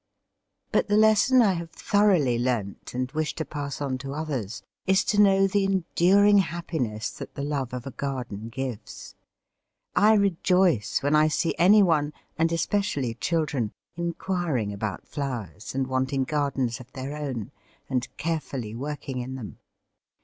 But the lesson I have thoroughly learnt, and wish to pass on to others, is to know the enduring happiness that the love of a garden gives. I rejoice when I see any one, and especially children, inquiring about flowers, and wanting gardens of their own, and carefully working in them.